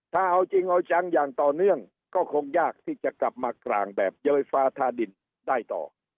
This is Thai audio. ถ้าเอาจริงเอาจังอย่างต่อเนื่องก็คงยากที่จะกลับมากลางแบบเย้ยฟ้าทาดินได้ต่อ